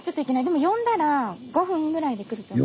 でも呼んだら５分ぐらいで来るって。